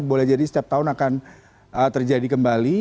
boleh jadi setiap tahun akan terjadi kembali